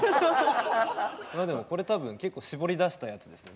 これ多分結構絞り出したやつですね。